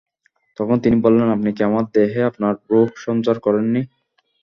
তখন তিনি বললেন, আপনি কি আমার দেহে আপনার রূহ সঞ্চার করেননি?